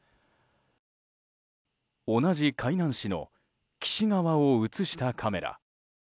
同じ海南市の貴志川を映したカメラ。